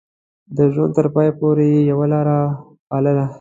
د ژوند تر پايه پورې يې يوه لاره پالله.